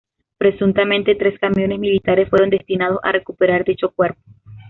Presuntamente tres camiones militares fueron destinados a recuperar dicho cuerpo.